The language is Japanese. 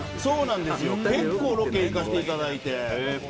結構ロケに行かせていただいて。